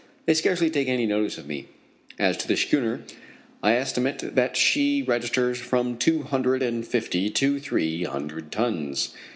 They scarcely take any notice of me. As to the schooner, I estimate that she registers from two hundred and fifty to three hundred tons.